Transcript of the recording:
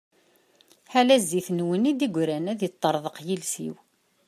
Ḥala zzit-nwen i d-yegran, ad yeṭṭeṛḍeq yiles-iw!